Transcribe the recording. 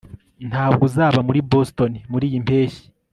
ntabwo uzaba muri boston muriyi mpeshyi